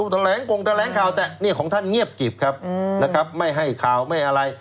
แถลงกงแถลงข่าวแต่เนี่ยของท่านเงียบกิบครับนะครับไม่ให้ข่าวไม่อะไร